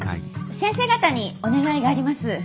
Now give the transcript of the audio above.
先生方にお願いがあります。